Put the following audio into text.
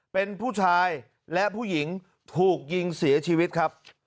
เป็นผู้ชายและผู้หญิงถูกยิงเสียชีวิตครับ